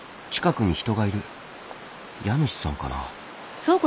家主さんかな？